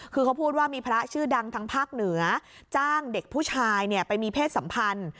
คือเขาพูดว่ามีพระชื่อดังทางภาคเหนือจ้างเด็กผู้ชายไปมีเพศสัมพันธ์